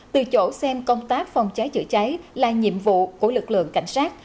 tổ xem công tác phòng cháy chữa cháy là nhiệm vụ của lực lượng cảnh sát